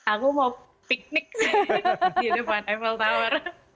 aku mau piknik di depan eiffel tower